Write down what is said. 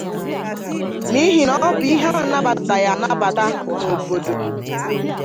n'ihi na ọ bụ ihe a nabataghị anabata n'obodo.